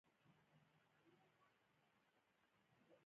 شېخ کټه شېخ متي لمسی دﺉ.